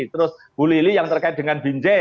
terus bu lili yang terkait dengan binjai